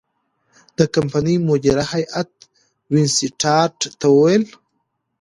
د کمپنۍ مدیره هیات وینسیټارټ ته وویل.